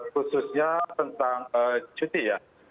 khususnya tentang cuti ya